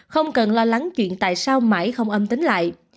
không cần lo lắng chuyện tại sao mãi không âm tính lại